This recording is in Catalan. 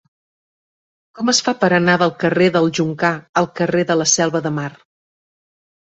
Com es fa per anar del carrer del Joncar al carrer de la Selva de Mar?